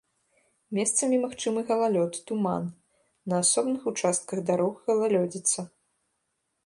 Месцамі магчымы галалёд, туман, на асобных участках дарог галалёдзіца.